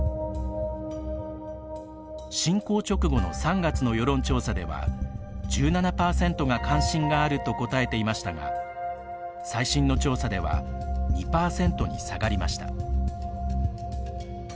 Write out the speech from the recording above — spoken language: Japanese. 侵攻直後の３月の世論調査では１７％が関心があると答えていましたが最新の調査では２％に下がりました。